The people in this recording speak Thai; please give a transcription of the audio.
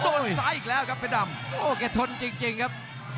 โอ้โหโอ้โหเก็บทนจริงครับ